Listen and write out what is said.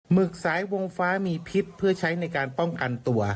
หึกสายวงฟ้ามีพิษเพื่อใช้ในการป้องกันตัว